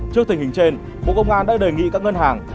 trước tình hình trên bộ công an đã đề nghị các ngân hàng